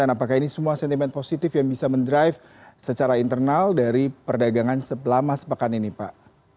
apakah ini semua sentimen positif yang bisa mendrive secara internal dari perdagangan selama sepekan ini pak